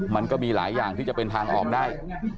มันก็มีหลายอย่างที่จะเป็นทางออกได้